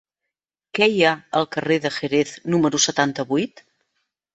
Què hi ha al carrer de Jerez número setanta-vuit?